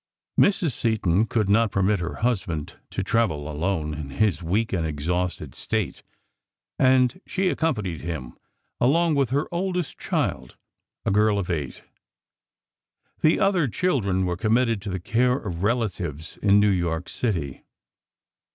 Mrs. Seton could not permit her husband to travel alone in his weak and exhausted state, and she accompanied him, along with her oldest child, a girl of eight. The other children were committed to the care of relatives in New York city.